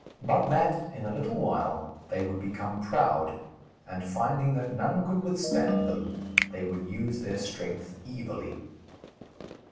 But that, in a little while, they would become proud, and finding that none could withstand them, they would use their strength evilly.